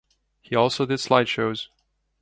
He also did slide shows.